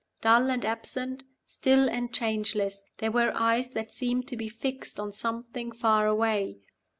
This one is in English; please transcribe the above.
Dull and absent, still and changeless, they were eyes that seemed to be fixed on something far away.